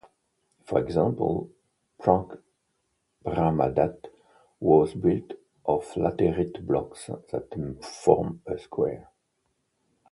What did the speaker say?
For example, Prang Brahmadat was built of laterite blocks that form a square.